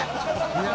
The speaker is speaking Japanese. いや